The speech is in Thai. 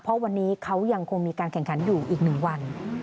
เพราะวันนี้เขายังคงมีการแข่งขันอยู่อีก๑วัน